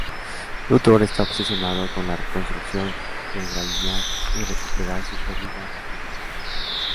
Luthor está obsesionado con la reconstrucción de Brainiac y recuperar su perdida "divinidad".